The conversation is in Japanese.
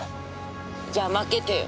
じゃあまけてよ！